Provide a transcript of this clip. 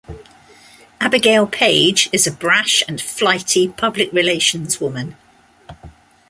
Abigail Page is a brash and flighty public relations woman.